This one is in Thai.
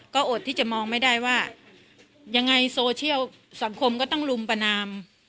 ก็อดที่จะมองไม่ได้ว่ายังไงโซเชียลสังคมก็ต้องลุมประนาม